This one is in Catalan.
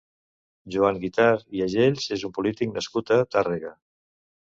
Joan Guitart i Agell és un polític nascut a Tàrrega.